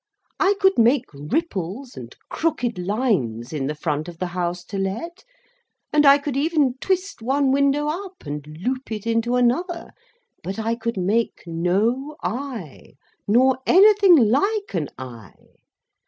I could make ripples and crooked lines in the front of the House to Let, and I could even twist one window up and loop it into another; but, I could make no eye, nor anything like an eye.